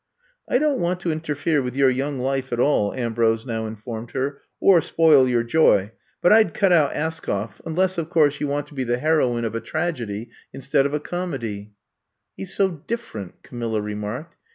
"I don't want to interfere with your young life at all," Ambrose now informed her, "or spoil your joy — but I 'd cut out Askoff — unless, of course, you want to be I'VE COME TO STAY 105 the heroine of a tragedy instead of a com edy. '^ He 's so different," Camilla remarked.